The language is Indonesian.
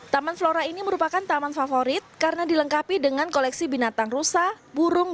taman flora ini merupakan taman favorit karena dilengkapi dengan koleksi binatang rusa burung